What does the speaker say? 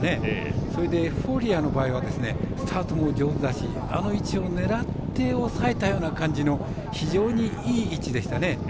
それで、エフフォーリアの場合はスタートも上手だし、あの位置を狙って押さえたような感じの非常に、いい位置でしたね。